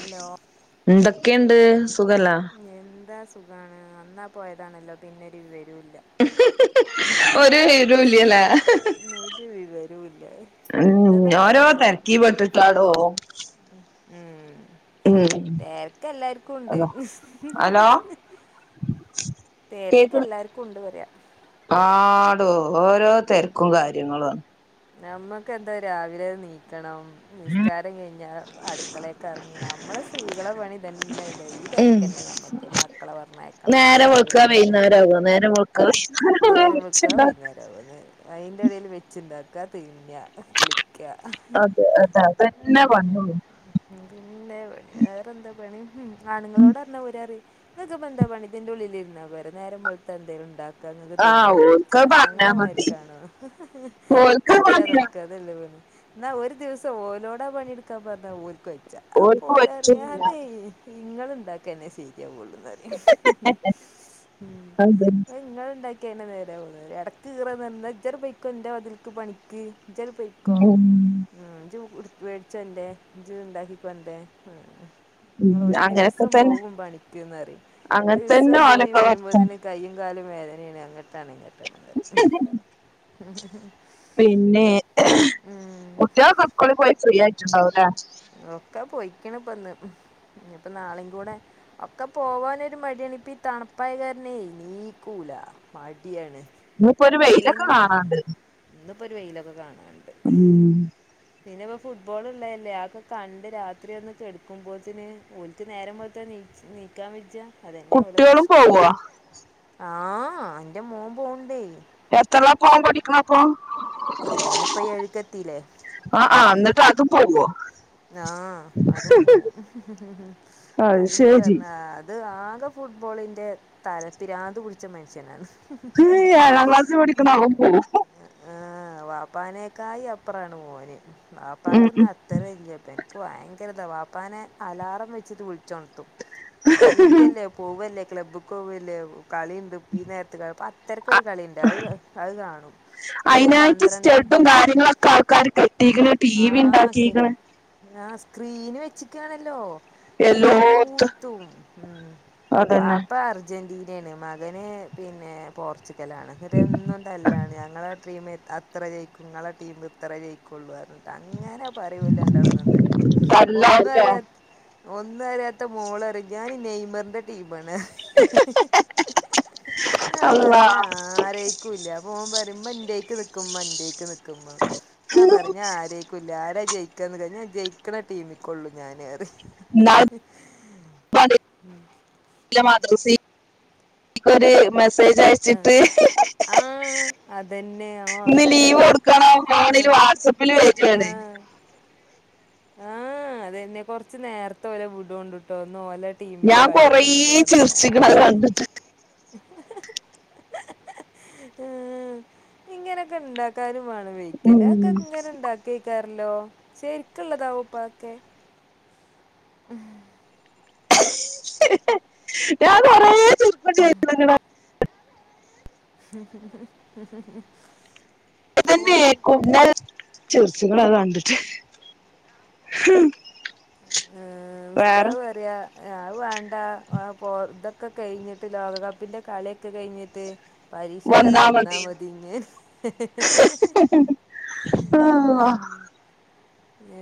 Hello എന്തെക്കേണ്ട് സുഖല്ലാ എന്താ സുഖാണ് അന്നാ പോയതാണല്ലോ പിന്നരു വിവരുല്ല ഒരു വിവരുല്ലല്ലേ ഒരു വിവരുല്ല ഉം ഓരോ തെരക്കീ പെട്ടിട്ടാടോ ഉം ഉം തെരക്ക് എല്ലാർക്കും ഉണ്ട് അതാ ഹലോ തിരക്ക് കേക്ക്ണ് എല്ലാർക്കും ഉണ്ട് അറിയ ആടോ ഓരോ തെരക്കും കാര്യങ്ങളും മ്മക്ക് എന്താ രാവിലെ നീക്കണം സ്കാരം കഴിഞ്ഞാ അടുക്കളെക്കറങ്ങിയ നമ്മളെ സ്ത്രീകളെ പണി ഇതന്നെല്ലേ ഈ തെര ഉം കന്നെ നമ്മക്ക് മക്കളെ പറഞ്ഞയക്കണം നേരം രാവിലെ വെളുക്കാ ബുട്ടും വൈകുന്നേരാവാ നേരം വെളുക്ക്ണ് [unintelligible] ന്ന് അയ്ൻ്റെടേല് വെച്ചുണ്ടാക്ക തിന്ന കുളിക്ക അതെ അതന്നെ പണിയുള്ളൂ പിന്നെ വേറെ എന്താ പണി ആണുങ്ങളോടർഞ്ഞ ഓരറിം ഇങ്ങക്ക് ഇപ്പെന്ത പണി ഇതിൻ്റെ ഉള്ളിൽ ഇരുന്ന പോരെ നേരം പോലത്തെ എന്തേലും ണ്ടാ ക്ക ങ്ങക്ക് ആഹ് തിന്ന കുടിച്ചാ ഓൽക്കത് പറഞ്ഞാ മതി ഞങ്ങളെമാരിക്കാണോ ഓൽക്കത് പഠിച്ചാ പണിയാ തുറക്കാ ഇതല്ലേ പണി എന്നാ ഒരു ദിവസം ഓലോടാ പണിയെടുക്കാൻ പറഞ്ഞ ഓൽക്ക് വ ഓൽക്ക് അപോലെ അറിയാം പറ്റൂല്ല അതെ ഇങ്ങൾണ്ടാക്കന്നെ സീരിയാവുള്ള് അഹ് അതെ ങ്ങൾണ്ടാ കേനെ നേരെ ആവുള്ളൂ ഇടക്ക് കീറ ന്ന [unintelligible] ന്റെ അതിൽക്ക് പണിക്ക് ഇജ്ജട് പൈ കോ ഉം ഉം ഇജ് മേടിച്ചന്റെ ഇജ് ണ്ടാക്കിക്കോന്റെ ഉം ഉം ഉം നിങ്ങ ഒരു അങ്ങനൊക്കെ ദിവസം തന്നെ പോകും പണിക്ക്ന്നറി അങ്ങനെ തന്നെ ഒരുവസം പോയി ഓലൊക്കെ വർത്താനം വരുമ്പോത്തിന് കയ്യും കാലും വേദനാണ് അങ്ങട്ടാണ് ഇങ്ങട്ടാണ് പറയും. പിന്നെ, ഉം കുട്ട്യോളോക്കെ ഉക്കൂളിൽ പോയി ഫ്രീ ആയിറ്റിണ്ടാവുല്ലെ? ഒക്കെ പൊയ്ക്കിണ് ഇപ്പന്ന്. ഇനിപ്പ നാളീം കൂടെ ഒക്കെ പോവാനൊരു മടിയാണ് ഇപ്പ ഈ തണുപ്പായകാരണെ ഇണീക്കൂല, മടിയാണ്. ഇന്നിപ്പോ ഒരു വെയിലൊക്കെ പിന്നെ, കാണാണ്ട് ഇന്നിപ്പൊ ഒരു വെയിലൊക്കെ കാണാന്ണ്ട്. ഉം പിന്നെ ഇപ്പൊ ഫുട്ബോൾള്ള അല്ലേ അഒക്കെ കണ്ട് രാത്രി ഒന്ന് കെടുക്കുമ്പോത്തിന് ഓലിക്ക് നേരം വെളുത്താനീ നീക്കാ വിച്ചാ കുട്ട്യാളും പോവോ ആഹ് ഇന്റെ മോൻ പോണ്ടേ എത്രല്ലാ ഓൻ പഠിക്കണപ്പോ ഓനിപ്പ ഏഴുക്കത്തീല്ലേ ആഹ് ആഹ് എന്നിട്ട് അതും പോവോ ആഹ് അതും പോവും അത് അയിനും ശരി വെന്നാ അത് ആകെ ഫുട്ബോളിന്റെ തലപ്പിരാന്ത് പുടിച്ച മനുഷ്യനാണ് ഈ ഏഴാം ക്ലാസിൽ പഠിക്ക്‌ണ അവൻ പോവും. ആഹ് വാപ്പാനേക്കായി അപ്പുറാണ് ഓന് ഉം വാപ്പാക്ക്ന്നാ ഉം ത്തര വല്യേ ഇൻക്ക് ഭയങ്കര ഇതാ വാപ്പാനെ അലാറം വെച്ചിട്ട് വിളിച്ച് ഒണത്തും നീക്കല്ലേ പോവല്ലേ ക്ലബ്ബ്ക്ക്‌ പോവല്ലേ കളിണ്ട് ഈ നേരത്തിള്ളത് പത്തരക്കൊരു കളിണ്ട് അത് അത് കാണും. പിന്നെ അയിനായിട്ട് സ്റ്റെഡും പന്ത്രണ്ടരക്കൊന്ന് കാര്യങ്ങളൊക്കെ ആൾക്കാര് കെട്ടീക്ക്‌ണ് ടി വി ഇണ്ടാക്കീക്കണ് ആഹ് സ്ക്രീന് വെച്ചിക്കാണല്ലോ എല്ലോട്ത്തും ഉം അതന്നെ വാപ്പാ അർ ജന്റീനേണ് മകന് പിന്നെ പോർച്ചുഗലാണ് ഇന്നിട്ടെന്നും തല്ലാണ് ഞ ങ്ങളെ ടീമ് അത്രേ ജയിക്കും ഇങ്ങളെ ടീമ് ഇത്രേ ജയിക്കുള്ളു പറഞ്ഞിട്ട് അങ്ങനെ പറിം ഓല് രണ്ടാളും നന്നായിട്ട്. ഒന്നും തല്ലാവുല്ലേ അറിയാത് ഒന്നുഅറിയാത്ത മോളറിം ഞാന് നെയ്മർന്റെ ടീമാണ്. ഞാപറിം അള്ളാ ഞാ ആ ആരേക്കൂല്ലാ അപ്പൊ ഓംപറിം ഇമ്മ ന്റേക്ക്‌ നിക്ക്മ്മാ ന്റേക്ക്‌ നിക്ക്മ്മാ ഞാം പറിം ഞാ ആരേക്കുല്ലാ. ആരാ ജയിക്കാന്ന് ല്ല ഞാൻ ജയിക്ക്ണ ടീമിക്കൊള്ളു ഞാനേറിം. ന്നാൾ പഠി ല്ല മദ്രസി ക്കൊര് മെസ് ആ സ്സേജയ്ച്ചിട്ട് ആ അതന്നെ ആ അത് ന്ന് കണ്ടു ലീവെട്ക്കണോം ആ ഫോണില് വാട്സപ്പില് വരാണ്. ആഹ് അതെന്നെ. കൊർച്ച് നേര്ത്തെ ഓലെ വിടൊണ്ട്ട്ടോ ന്നോലെ ടീമിന്റെ ഞാൻ കൊറേ കളിയാണെന്നൊക്കെ പർഞ്ഞാണ്ട് ചിരിച്ചിക്കണ ആപ്പൊ അത് കണ്ടിട്ട് ആഹ്. ഇങ്ങനൊക്കെ ണ്ടാ ക്കാനുംവാണം വെയ്ക്കലേ. ക്ക ങ്ങനെ ണ്ടാക്കേക്കാറ്ല്ലോ? ശെരിക്ക്ള്ളതാവോ പ്പ അഒക്കെ. [unintelligible] ഞാ കുറേ ചിരിക്കും ചെയ്ത്ക്ക്‌ണ [unintelligible] ഓ തന്നേക്കും. ഞാ ചിർച്ചിക്ക്ണ് അഹ് കണ്ട്ട്ട്. ഹും ആഹ്. ഉസ്താഹ് പറിയാ ആഹ് അഅ് വേണ്ടാ. ആഹ് പ്പോ തൊക്കെ കയിഞ്ഞിട്ട് ലോക കപ്പ്ന്റെ കളിഒക്കെ കഴിഞ്ഞിട്ട് പരീക്ഷക്കട് വന്നാ മതീ ഞ്ഞേ [unintelligible]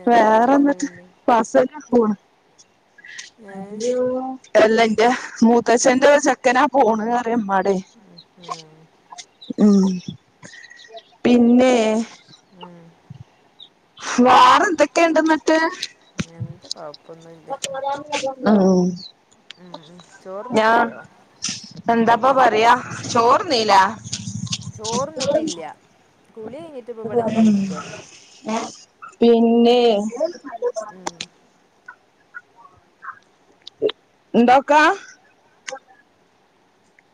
എന്താണ് വേറെന്ന്ട്ട് പിന്നെ ഫസലുവാ പോണ്. ഏഹ് [unintelligible] എല്ലന്റെ മൂത്തച്ഛന്റെ ഒര്ചെക്കനാ പോണ് അ റയാ മ്മാടേ ഉം ഉം. പിന്നേ ആഹ് വാറെ ന്തെക്കെണ്ട് ന്ന്ട്ട് എന്ത് കൊഴപ്പൊന്നും ല്ല്യ. ഉം. ഉം ഞാ ചോറുണ്ണാറായോ എന്താപ്പൊ പറിയാ. ചോറ്ന്നീലെ ചോറിന്നിട്ടില്ല്യ. കുളിയെഞ്ഞിട്ട് പ്പം വടെ ങ്ങനെ ഇര്ക്കാണ്. പിന്നേ? ആഹ് ന്താക്കാ.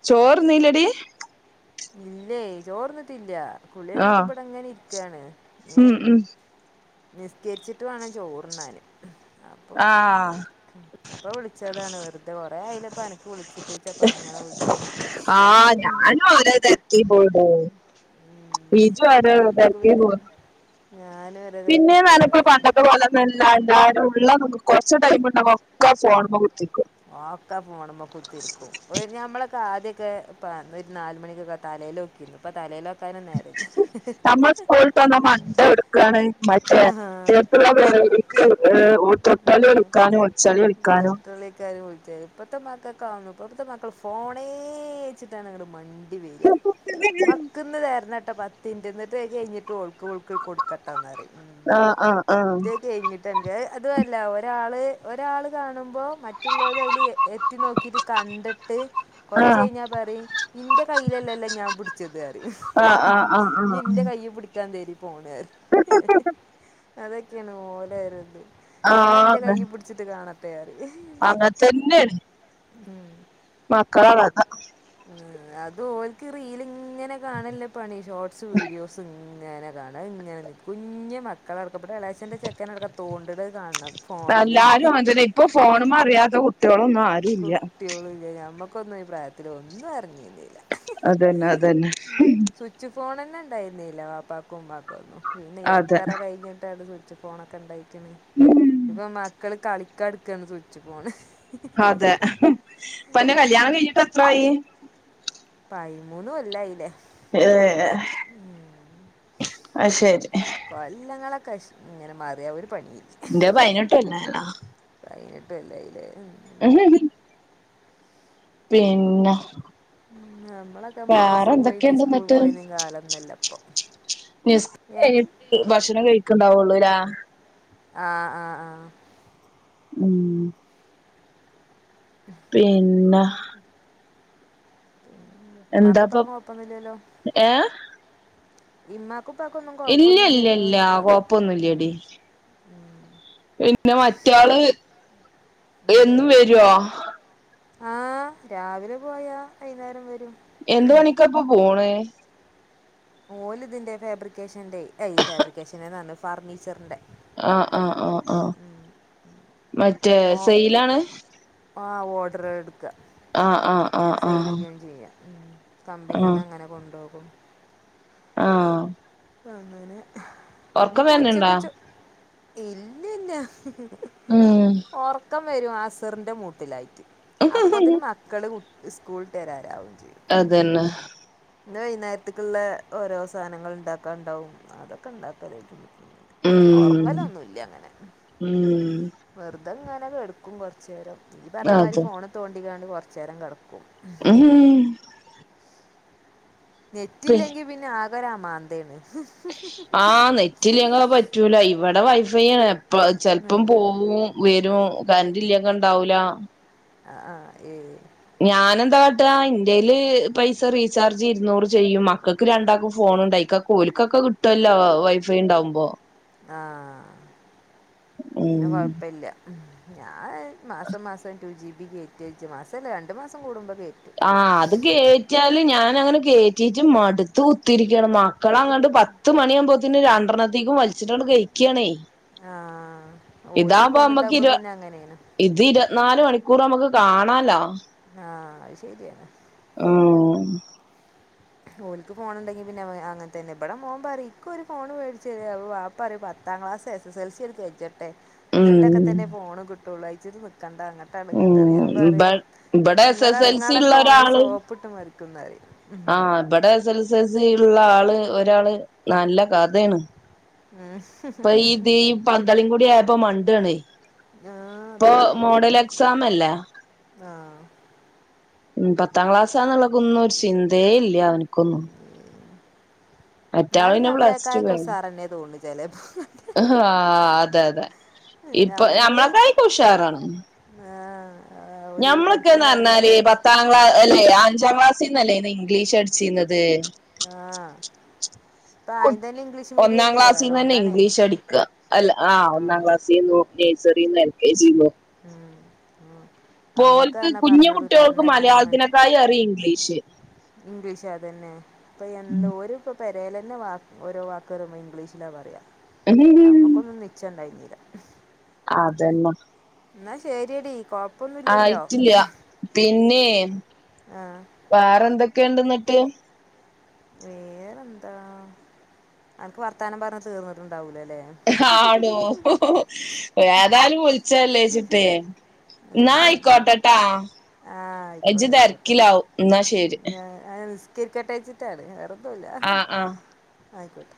ചോറ് ന്നീല്ലെടി. ഇല്ലേയ്. ചോറ്ന്നിട്ടില്ല്യാ. കുളിയെ യിഞ്ഞിട്ട് ആഹ് ബടെങ്ങനെ ഇര്ക്കാണ്. ഞ്ഞ് ഉം ഉം നിസ്ക്കേര്ച്ച്ട്ട് വാണം ചോറ്ന്നാന്. ആഹ് അപ്പം വിൾച്ചതാണ്. വെർതെ കൊറേആയിലെ പ്പ അനക്ക് വിൾച്ചിട്ട്. ജഅപ്പങ്ങനെ വിൾച്ചതാ. ആഹ് ഞാനും ഓരോ തെര [unintelligible] ഇജോ ഓരോ തെരക്ക് ല് [unintelligible] ഞാനൊ പിന്നെ വേ [unintelligible] പണ്ടത്തെ പോലെ ന്നല്ലാരുണ്ടാ [unintelligible] ഉള്ള [unintelligible] കൊർച്ച ടൈമ്ണ്ടാകുമ്പ ഒക്കെ ഫോൺമ്മ കുത്തിര്ക്കും. ആഓക്കെ ഫോണ്മ്മ കുത്തിര്ക്കും. ഞമ്മളൊക്കെ ആദ്യാക്കെ പ്പ ണ് ര് നാൽ മണിക്കൊക്കെ തലേലോക്കി ര്ന്നു. പ്പ. തലേലോക്കാന് നേരല്യ. പ്പന്നാ മറ്റേ ട്ക്കാണ്. മറ്റേ [unintelligible] [unintelligible] ട്ക്കാനും. ഒൾച്ചെളി ൾ ക്കാനും. [unintelligible] വിൾ ച്ചേ ഇപ്പത്തെ മക്കക്കാവൊന്നു ഇപ്പത്തെ മക്കള് ഫോണേ വെച്ചിട്ടാണങ്ങട് മ [unintelligible] മ്മാ ക്ക്ന്ന് വെര്‌നെട്ടൊ പത്... ത്ത്ൻ്റെ ന്നട്ട് [unintelligible] എയിഞ്ഞ്ട്ട് ഓൾക്ക് ഒൾക്ക് കൊട്ക്കട്ടാന്നാ റിം. ആഹ് ആഹ് ആഹ് [unintelligible] അതും അല്ല ഒരാള് ഒരാള് കാണുമ്പൊ മറ്റുള്ളവര അയ്ല് എത്തി നോക്കീട്ട് കണ്ട് ഇട്ട് കൊറച്ച് ആഹ് കഴിഞ്ഞാ പറയും നിന്റെ കയ്യില് അല്ലല്ല ഞാൻ പിടിച്ചത് പറയും ആഹ് ആഹ് [unintelligible] ആഹ് ആഹ് ഇന്നി എന്റെ കയ്യേ പിടി [unintelligible] അതൊക്കെയാണ് ഓലേ ഒര്ത് ഞാൻ എന്റെ ആഹ് ആഹ് കയ്യി പിടിച്ചിട്ട് കാണത്താര് അങ്ങനെ തന്നെയാണ് ഉം [unintelligible] ഉം അത് ഓൽക്ക് റീല് ഇങ്ങനെ കാണല്ലേ പണി ഷോർട്സ് വീഡിയോസ് ഇങ്ങനെ കാണാ ഇങ്ങനെ നിക്കു കുഞ്ഞ് മക്കള് അടക്കം ഇവടെ എളേച്ചാൻ്റെ ചെക്കൻ അടക്കം തോണ്ട്ണ് എല്ലാരും അതാ തന്നെ ഇപ്പൊ ഫോണ്മേ അറിയാത്ത കുട്ട്യാ ളൊന്നും അ കുട്ടികളില്ല്യാ ഞമ്മക്കൊന്നും ഈ പ്രായത്തില് ഒന്നും അറിഞ്ഞിഞ്ഞീല [unintelligible] അതന്നെ അതന്നെ സ്വിച്ച് ഫോൺ തന്നെ ഒണ്ടായിരുന്നില്ല്യ വാപ്പാക്കും ഉമാക്കൊന്നും പിന്നെ അതെ എത്ര കയിഞ്ഞിട്ടാണ് ഇത് സ്വിച്ച് ഫോണൊക്കെ ഇണ്ടായിക്ക്യാണേ ഉം ഇപ്പൊ മക്കള് കളിക്കാൻ എട്ക്കാണ് സ്വിച്ച് ഫോണ് അതെ ഇപ്പം അൻ്റെ കല്ല്യാണം എത്ര ആയി പൈയ് മൂന്ന് കൊല്ലായില്ലേ യെ ആയ് ശെരി കൊല്ലങ്ങളൊക്കെ ഷ് ഇങ്ങനെ മറി [unintelligible] ഇന്റെ പൈനായിട്ട്അല്ലേന [unintelligible] [unintelligible] പൈനെട്ട് കൊല്ലായില്ലേ [unintelligible] പിന്ന്യാ ഉം നമ്മളൊക്കെ മദ്രാസ് പോയി നീ എന്തൊക്കെയുണ്ട് സ്കൂള് എന്നിട്ട് പോയിന്നീ കാലം ഒന്നും അല്ല ഇപ്പൊ [unintelligible] ഭക്ഷണം കഴിക്കണ്ടാവു അല്ലേയ് ആഹ് ആഹ് ആഹ് ആഹ് ഉം പിന്ന മ്മാക്കു എന്താപ്പ പ്പാക്കും കൊഴ്പ്പൊന്നില്ലല്ലോ ഏ ഇമ്മാ ക്കുപ്പാക്കൊന്നും കൊഴപ്പൊന്നില്ലല്ലോയിക്കാ പ്പൊന്നുല്ല്യടി പിന്നെ മറ്റാള് എന്നും വരുവോ ആഹ് രാവിലെ പോയാ വൈയ്യുന്നേ രം വരും എന്ത് പണിക്കാപ്പൊ പോണേ ഓല്തിന്റെ ഫാബ്രിക്കേഷന്റെ എയ് ഫാബ്രിക്കേഷന് ന്നാ പറ് ഞ്ഞെ ഫർണിച്ചറ്ന്റെ ആഹ് ആഹ് ഓഹ് ഓഹ് മറ്റേ സയിലാണ് ആഹ് ഓഡറ് എട്ക്ക ആഹ് ആഹ് ആഹ് സെയില്കയും ആഹ് ചെയ്യാ, ഉം കമ്പനീന്ന് അങ്ങനെ കൊണ്ടോകും ആഹ് ആഹ് ഹ് അങ്ങനെ ഒറക്കം ഇഞ്പ്പൊ വരണുണ്ടാ ഉച്ചക്ക് ചോ - ഇല്ലന്ന ഉം ഒർക്കം വരും അസറ്ന്റെ മൂട്ടിലായിട്ട് അപ്പോത്തിന് മക്കള് സ്കൂള്ട്ടെരാനാവും ചെയ്യും. അതന്നെ ന്ന് വൈന്നേര്ത്ത്ക്ക്‌ള്ളെ ഓരോ സാനങ്ങൾ ണ്ടാക്കാണ്ടാവും അതൊക്കെ ണ്ടാക്കലേര്ക്കും ഉം ഒർങ്ങലൊന്നുല്ലങ്ങനെ ഉം വെറ്തെങ്ങനെ കെട്ക്കും കൊറച്ചേരം ഇജ് പറ്ഞ്ഞമാതിരി അതെ ഫോണ് തോണ്ടിക്കാണ്ട് കൊർച്ചേരം കെടക്കും ഉ ഹു പി നെറ്റില്ലെങ്കി പിന്നെ ആകൊരമാന്തേണ് ആഹ് നെറ്റില്ലേങ്കൊക്കെ പറ്റ് റ്റൂല ഇവടെ വൈഫൈ ആണ് എപ്പ ചെല് പ്പം പോവും വരും. ഉം കര്ന്റില്ലെങ്കണ്ടാവൂല. ഉം അഹ ആഹ എഹ ഏയ് ഞാനെന്ത കാട്ടാ ഇന്റെല് പൈസ റീചാർജ് ഇരുന്നൂറ് ചെയ്യും മക്കക്ക് രണ്ടാക്കും ഫോൺ ണ്ടായിക്ക ഓല്ക്കൊക്കെ കിട്ടുവല്ലോ വൈഫൈ ണ്ടാവുമ്പോ ആഹ് പിന്നെ ഉം കൊഴപ്പല്ല ഞാഹ് മാസം മാസം ടു ജി ബി കയറ്റിച് മാസം അല്ല രണ്ട് മാസം കൂടുമ്പ കയ്റ്റും ആഹ അത് കേറ്റിയാലും ഞാനങ്ങനെ കേറ്റീട്ട് മടുത്ത് കു കുത്തിരിക്കാണ് മക്കളങ്ങട്ട് പത്ത് മണിയാമ്പോത്തിന് രണ്ടെണ്ണത്തീക്കും വലിച്ചിട്ടാണ്ട് കയ്കേണേ ആഹ് ഓല്ക്ക് ഫോണ്ണ്ണ്ടവുമ്പോ ഇരു പിന്നെ അങ്ങനെണ് ഇത് ഇരുവത് നാല് മണിക്കൂറും നമ്ക്ക് കാണാലോ ആഹ് അഹ് ശരിയന്നെ ഉം ഓല്ക്ക്‌ ഫോണ്ണ്ടെങ്കി പിന്നെ വെ അങ്ങൻ തന്നെ ഇബട മോം പറിം ഇക്കൊരു ഫോണ് മേടിച്ചെരോ, അപ്പ വാപ് പ്പറിം പത്താം class S S L C. ആണ്ട് കജ്ജെട്ടെ ന്നട്ടൊക്കെ ഉം തന്നെ ഫോൺ കിട്ടൊ ള്ളൂ. അയ്ജര്ച് നിക്കണ്ടാ ങ്ങ ട്ടട്ങ്ങട്ടെന്ന്. ഞാം ഉം ഇബ പറിം ഇബടെ എസ് ങ്ങളെ എസ് എൽ സി ങ്ങളെ ഉള്ള ക്കെ ഓന് ഒരാള് സോപ്പ്ട്ട് മരിക്കുന്നരിം ഇബടെ എസ ൽ സൽ സീല് ള്ള ആള് ഒരാള് നല്ല കഥെണ് ഉം ഇപ്പ ഈ പീ പന്തളീം കുടി ആയപ്പോ മണ്ടാണെ ആ ഇപ്പൊ അതന്നെ മോഡൽ എക്സാം അല്ലേ ആഹ് ഉം പത്താം ക്ലാസ്സാന്നുള്ളൊക്കൊന്നും ഒരു ചിന്തേ ഇല്ല്യ അവന്ക്കൊന്നും ന്നാലും പിന്നെ പ്ലസ് ഞമ്മളെക്കായൊക്കെ ഉസാറന്നെ തോന്നും ചെലേപ്പം ഹ് ആഹ് അതെ അതെ ഇപ്പൊ ഞമ്മള് ഞമ്മളൊക്കായിക്കെ ഉഷാറാണ് ആഹ് ഓല് പഠിപ്പും ഞമ്മളക്കന്നറ്ഞ്ഞാല് കാര്യങ്ങളൊക്കെ പത് പത്താംക്ലാ അല്ലെ അഞ്ചാം ക്ലാസ് നിന്നല്ലേ അന്ന് ഇംഗ്ലീഷ് പഠിച്ചീന്നത് ആഹ് ഇപ്പ ആദ്യം തന്നെ ഇംഗ്ലീഷ് ഒന്നാം മീഡിയല്ലേ ക്ലാസ്സിന്ന് തന്നെ അതോണ്ടാണേ ഇംഗ്ലീഷ് അടിക്കുക അല്ല ആഹ ഒന്നാം ക്ലാസ്സിൽന്നു നേഴ്സറിന്നും എൽ കെ ജി ന്നും ഉം ഉം ഞമ്മക്കെന്നെ പറഞ്ഞോടു പറഞ്ഞെരാനൊന്നും മനസ നന്നായി അറിം ഇംഗ്ലീഷ് ഇംഗ്ലീഷ് അത് തന്നെ ഇപ്പൊ എല്ലൊ ഒര് പെരേലെന്നെ വാ ഓരോ വാക്കറിബം ഇംഗ്ലീഷിലാ പറയാ നമുക്ക് ക്കൊന്നും നിച്ചണ്ടാഞ്ഞില്ല അതന്നെ ഇന്നാ ശെരിയെടി കോ ആയിറ്റില്ല പിന്നെ ആഹ് വേറെ എന്തൊക്കേണ്ട്ന്നട്ട് വേറെന്താ അൻക്ക് വർത്താനം പറഞ്ഞ് തീർന്നിട്ട്ണ്ടാവൂല ല്ലേ ആണോ ഏതാലും വിളിച്ച് ച്ച ല്ലേച്ചിട്ടേ ആ ന്നാ അയിക്കോട്ടെട്ടാ ആ ഇജ്ജ് ആയിക്കോട്ടെ തെരക്കിലാവും ഇന്നാ ശെരി ഏഹ നിസ്കരിക്കട്ടെച്ചിട്ടാണ് വേറൊന്നുല്ല ആഹ് ആഹ് ആയിക്കോട്ടെ